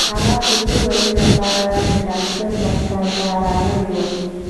هغه د څه ويلو لپاره د ډاکټر دفتر ته راغلې وه.